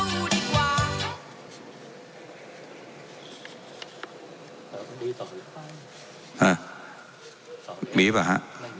อ่ะมีป่ะฮะอ่อ